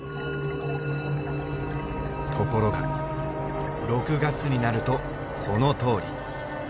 ところが６月になるとこのとおり。